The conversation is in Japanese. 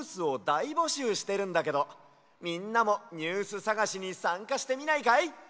いぼしゅうしてるんだけどみんなもニュースさがしにさんかしてみないかい？